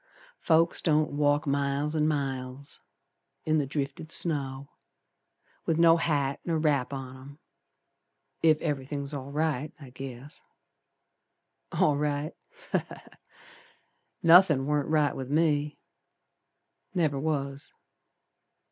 Folks don't walk miles an' miles In the drifted snow, With no hat nor wrap on 'em Ef everythin's all right, I guess. All right? Ha! Ha! Ha! Nothin' warn't right with me. Never was.